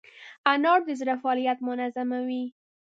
انار د زړه فعالیت منظموي.